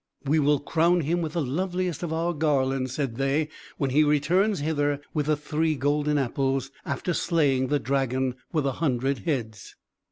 "We will crown him with the loveliest of our garlands," said they, "when he returns hither with the three golden apples, after slaying the dragon with a hundred heads."